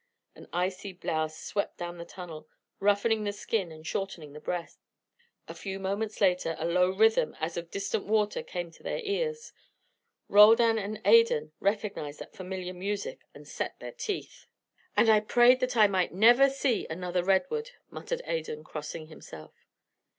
An icy blast swept down the tunnel, roughening skin and shortening breath. A few moments later the low rhythm as of distant water came to their ears. Roldan and Adan recognised that familiar music, and set their teeth. "And I prayed that I might never see another redwood," muttered Adan, crossing himself.